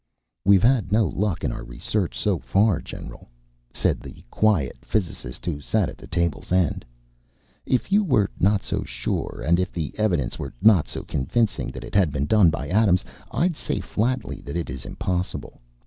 "We've had no luck in our research so far, General," said the quiet physicist who sat at the table's end. "If you were not so sure and if the evidence were not so convincing that it had been done by Adams, I'd say flatly that it is impossible.